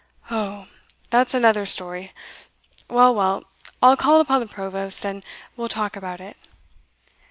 Oho! that's another story Well, well, I'll call upon the provost, and we'll talk about it."